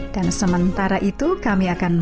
dan sementara itu kami akan